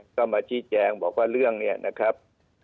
ก็มาชี้แจงบอกว่าเรื่องนี้นะครับ